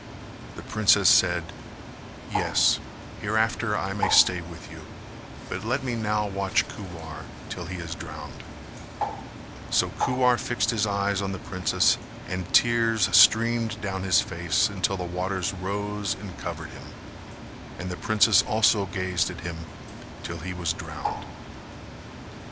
The princess said "Yes: hereafter I may stay with you, but let me now watch Kuwar till he is drowned;" so Kuwar fixed his eyes on the princess and tears streamed down his face until the waters rose and covered him; and the princess also gazed at him till he was drowned.